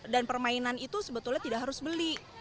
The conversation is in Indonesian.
dan permainan itu sebetulnya tidak harus beli